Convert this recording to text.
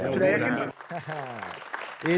sudah ya gimana